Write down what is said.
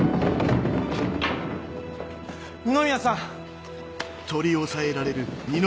二宮さん！